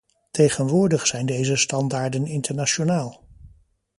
Tegenwoordig zijn deze standaarden internationaal.